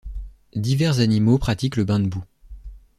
Divers animaux pratiquent le bain de boue.